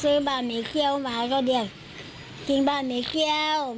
ซื้อบ้านหนีเคี้ยวมาก็เรียกกินบ้านหนีเคี้ยว